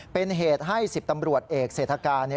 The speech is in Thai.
เป็นเหตุให้๑๐ตำรวจเอกเศรษฐกา